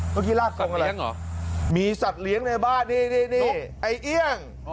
เมื่อกี้ลาดโกงอะไรมีสัตว์เลี้ยงในบ้านนี่นี่ไอ้เอี่ยง